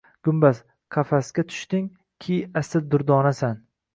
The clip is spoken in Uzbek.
Gumbaz — qafasga tushding, ki asil durdonasan.